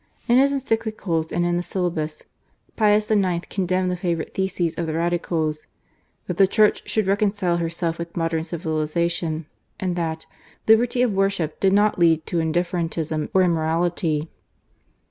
In his Encyclicals and in the Syllabus, Pius IX. condemned the favourite theses of the Radicals, " That the Church should reconcile herself with modern civilization,'* and that " Liberty of worship did not lead to indifferentism or immorality."